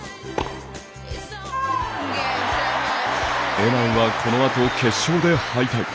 エナンはこのあと、決勝で敗退。